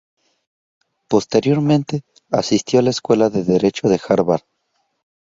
Posteriormente asistió a la Escuela de Derecho Harvard.